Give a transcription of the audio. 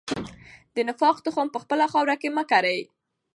د نفاق تخم په خپله خاوره کې مه کرئ.